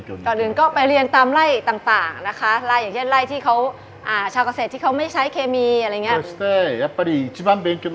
ก่อนอื่นก็ไปเรียนตามไล่ต่างนะคะไล่อย่างเช่นไล่ที่เขาชาวเกษตรที่เขาไม่ใช้เคมีอะไรอย่างนี้